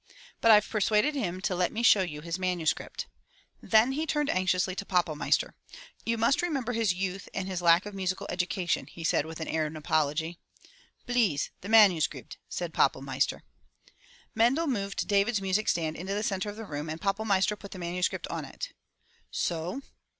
But I've persuaded him to let me show you his manuscript." Then he turned anxiously to Pappelmeister. "You must remember his youth and his lack of musical education —" be said with an air of apology. "Blease, the manusgribt," said Pappelmeister. Mendel moved David's music stand into the center of the room and Pappelmeister put the manuscript on it. "So!"